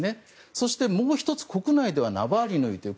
そして、もう１つ国内ではナワリヌイという。